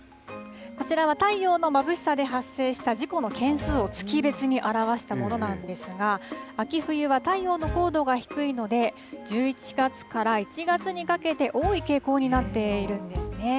こちらは太陽のまぶしさで発生した、事故の件数を月別で表したものなんですが、秋冬は太陽の高度が低いので、１１月から１月にかけて、多い傾向になっているんですね。